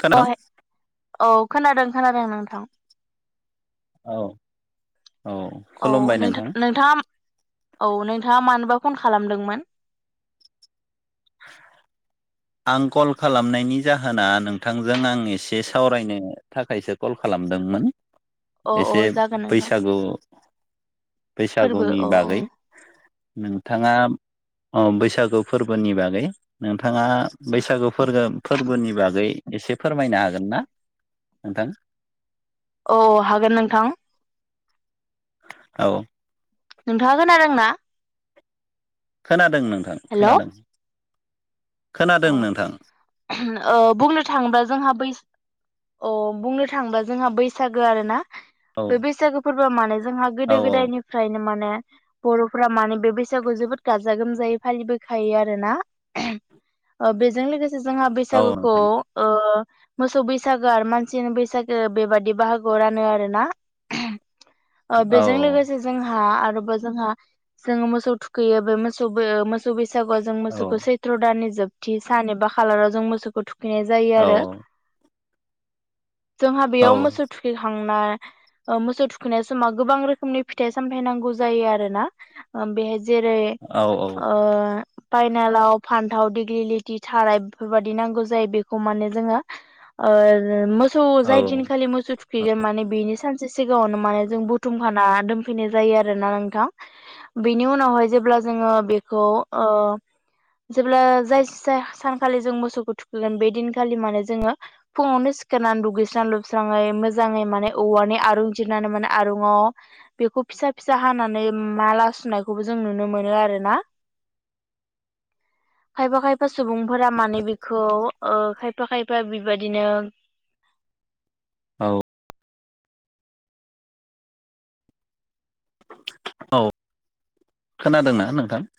खोनादों? अह औ खोनादों खोनादों नोंथां। औ औ औ खुलुमबाय नोंथां नोंथाङा औ नोंथाङा मानोबा फन खालामदोंमोन? आं कल खालामनायनि जाहोना नोंथांजों आं एसे सावरायनो थाखायसो कल खाला- मदोंमोन अ अ एसे जागोन नोंथां बैसागु फोरबो बैसागुनि अ अ बागै नोंथाङा अ बैसागो फोरबोनि बागै। नोंथाङा बैसागो फोरगो फोरबोनि बागै एसे फोरमायनो हागोन ना नोंथां? औ हागोन नोंथां। औ। नोंथाङा खोनादोंना? खोनादों नोंथां हेल' खोनादों। खोनादों नोंथां अ ओ बुंनो थांङोबा जोंहा बै- अ बुंनो थाङोबा जोंहा बैसागो आरो ना? औ बे बैसागो फोरबोआ माने जोंहा औ गोदो गोदायनिफ्रायनो माने माने बरफोरा माने बे बैसागुखौ जोबोद गाजा गोमजायै फालिबोखायो आरोना। बेजों लोगोसे जोंहा औ बैसागुखौ नोंथां ओ मोसौ बैसागो आरो मानसिनि बैसागो बेबादि बाहागोआव रानो आरो ना। ओ औ बेजों लोगोसे जोंहा आरो जोंहा जोङो मोसौ थुखैयो बे मोसौ ओ मोसौ बैसागुआव जों औ मोसौखौ सैथ्र दाननि जोबथि सान एबा खालाराव जों मोसौखौ थुखैनाय जायो औ आरो। जोंहा बेयाव मोसौ औ थुखैखां- ना ओ मोसौ थुखैनाय समाव गोबां रोखोमनि फिथाइ-सामथाइ नांगौ जायो आरो ना। ओ बेहाय जेरै- औ ओ पाइनालाव, फान्थाव, दिग- लिति, थाराइ, बेफोरबादि नांगौ जायो। बेखौ माने जोंङो ओ मो- सौ जाय औ दिनखालि मोसौ थुखैगोन माने बेनि सानसे सिगाङावनो माने जों बुथुमखाना दोनफैनाय जायो आरोना नोंथां। बेनि उनावहाय जेब्ला जोंङो बेखौ ओ जेब्ला जाय सानखालि जों मोसौखौ थुखैगोन बे दिनखालि माने जोंङो फुङावनो सिखारनानै दुगैस्रां-लोब- स्राङै मोजाङै माने औवानि आरुं जिरनानै माने आरुङाव बेखौ फिसा फिसा हानानै माला सुनायखौबो जों नुनो मोनो आरो ना। खायफा खायफा सुबुंफोरा माने बेखौ ओ खायफा खायफा बेबादिनो [inaudible] औ। औ खोनादोंना नोंथां।